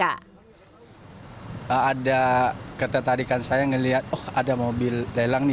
ada ketertarikan saya melihat ada mobil lelang ini